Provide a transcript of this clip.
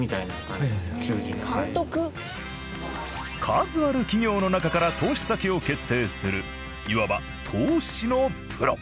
数ある企業の中から投資先を決定するいわば投資のプロ。